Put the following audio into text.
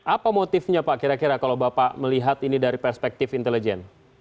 apa motifnya pak kira kira kalau bapak melihat ini dari perspektif intelijen